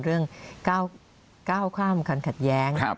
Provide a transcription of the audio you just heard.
เรื่องก้าวข้ามกันขัดแย้ง